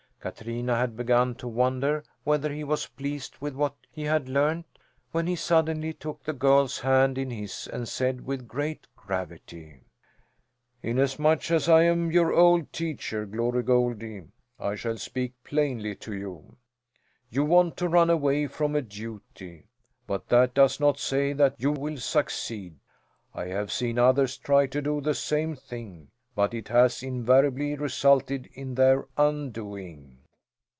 Katrina had begun to wonder whether he was pleased with what he had learned, when he suddenly took the girl's hand in his and said with great gravity: "Inasmuch as I am your old teacher, Glory Goldie, I shall speak plainly to you. You want to run away from a duty, but that does not say that you will succeed. I have seen others try to do the same thing, but it has invariably resulted in their undoing."